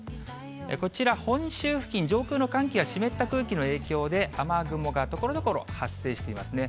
こちら、本州付近、上空の寒気や湿った空気の影響で、雨雲がところどころ発生していますね。